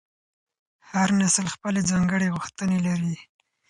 هر نسل خپلې ځانګړې غوښتنې لري.